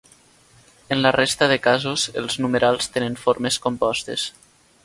En la resta de casos els numerals tenen formes compostes.